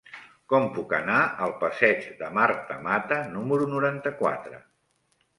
Com puc anar al passeig de Marta Mata número noranta-quatre?